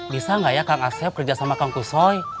bisa nggak ya kang aset kerja sama kang kusoy